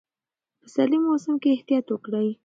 د پسرلي موسم کې احتیاط وکړئ.